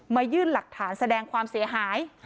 ยื่นหลักฐานแสดงความเสียหาย